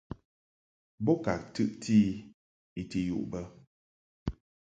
Bo ka tɨʼti I I ti yuʼ bə.